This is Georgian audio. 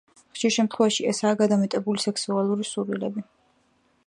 ხშირ შემთხვევაში ესაა გადამეტებული სექსუალური სურვილები.